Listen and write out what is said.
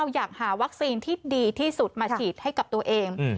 อยากหาวัคซีนที่ดีที่สุดมาฉีดให้กับตัวเอง